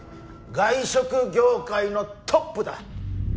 外食業界のトップだ。